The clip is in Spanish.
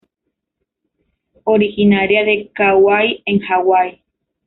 Originaria de Kauai en Hawái.